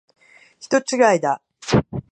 人違いだ。